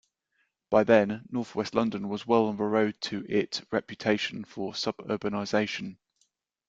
By then North-West London was well on the road to it reputation for suburbanisation.